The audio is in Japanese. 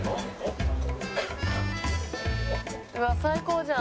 「うわっ最高じゃん」